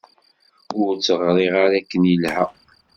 Ur t-ɣṛiɣ ara akken ilha.